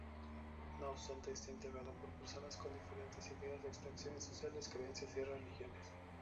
No obstante está integrado por personas con diferentes ideas, extracciones sociales, creencias y religiones.